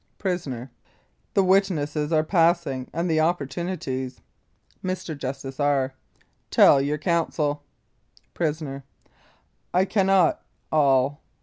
PRISONER: The witnesses are passing and the opportunities. Mr. JUSTICE R. : Tell your counsel. PRISONER: 1 cannot all.